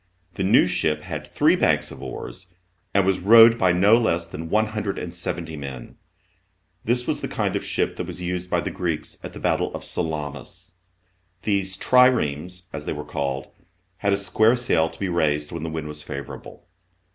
The new ship had three banks of oars, and was, rowed by no less than one hundred and seventy men. This was the kind of ship that .was used by the Greeks at the battle of Salamis. These " triremes," as they were called, had a square sail to be raised when the wind was favourable.